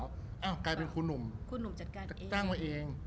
อ้าวกลายเป็นคุณหนุ่มจัดการไว้เอง